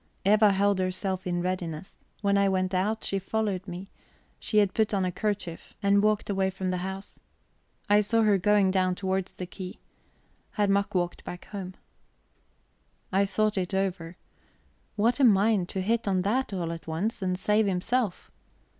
Eva held herself in readiness; when I went out, she followed me; she had put on a kerchief, and walked away from the house; I saw her going down towards the quay. Herr Mack walked back home. I thought it over. What a mind, to hit on that all at once, and save himself!